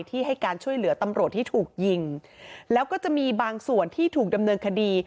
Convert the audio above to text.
ให้การช่วยเหลือตำรวจที่ถูกยิงแล้วก็จะมีบางส่วนที่ถูกดำเนินคดี